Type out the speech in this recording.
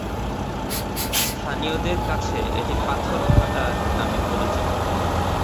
স্থানীয়দের কাছে এটি পাথরঘাটা নামে পরিচিত।